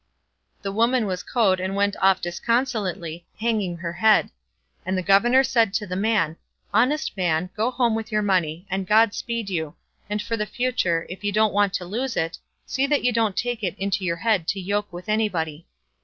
The woman was cowed and went off disconsolately, hanging her head; and the governor said to the man, "Honest man, go home with your money, and God speed you; and for the future, if you don't want to lose it, see that you don't take it into your head to yoke with anybody."